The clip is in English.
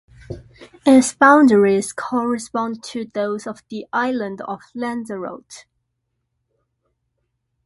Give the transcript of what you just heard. Its boundaries correspond to those of the island of Lanzarote.